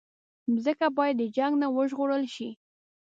مځکه باید د جنګ نه وژغورل شي.